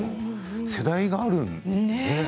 世代があるのね。